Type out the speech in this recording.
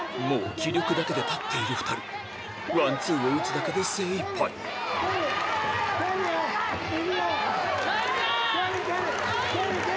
もう気力だけで立っている２人ワンツーを打つだけで精いっぱい前に出る！